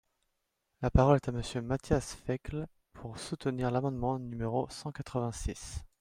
La parole est à Monsieur Matthias Fekl, pour soutenir l’amendement numéro cent quatre-vingt-six.